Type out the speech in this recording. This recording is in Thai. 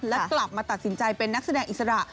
และกลับมาตัดสินใจเป็นนักแสดงอิสระ